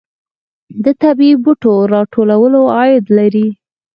د طبیعي بوټو راټولول عاید لري